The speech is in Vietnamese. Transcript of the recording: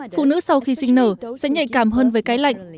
phụ nữ sau khi sinh nở sẽ nhạy cảm hơn với cái lạnh